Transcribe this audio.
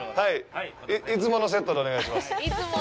いつものセットでお願いします。